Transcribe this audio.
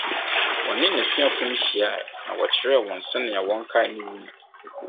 ɔne n’asuafo no hyiae na ɔkyerɛɛ wɔn sɛnea wɔnkae ne wu no.